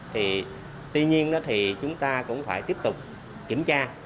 tuy nhiên chúng ta cũng phải tiếp tục kiểm tra